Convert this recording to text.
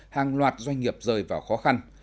hàng loạt doanh nghiệp rời vào khó khăn